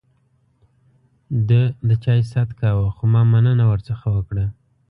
ده د چای ست کاوه ، خو ما مننه ورڅخه وکړه.